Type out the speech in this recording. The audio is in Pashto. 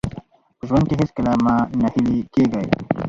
په ژوند کې هېڅکله مه ناهیلي کېږئ.